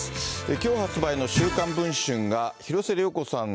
きょう発売の週刊文春が、広末涼子さん